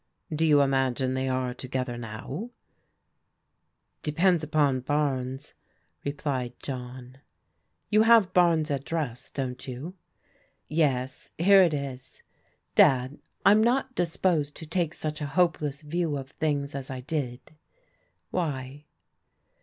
"Do you imagine they are together now?*^ 128 PRODIGAL DAUGHTERS " Depends upon Barnes/' replied John. "You have Bames' address, haven't you? " Yes. Here it is. Dad, I'm not disposed to take such a hopeless view of things as I did." "Why?"